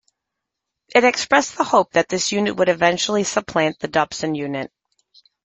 It expressed the hope that this unit would eventually supplant the Dobson Unit.